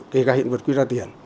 kể cả hiện vật quy ra tiền